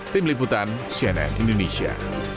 tim liputan cnn indonesia